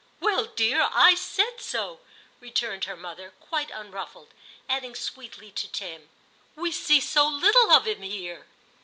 *Well, dear, I said so,' returned her mother, quite unruffled, adding sweetly to Tim, * We see so little of him here.'